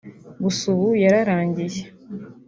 gusa ubu yararangiye